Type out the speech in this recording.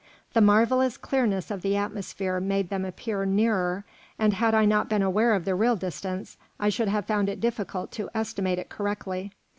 The marvellous clearness of the atmosphere made them appear nearer, and had I not been aware of the real distance I should have found it difficult to estimate it correctly.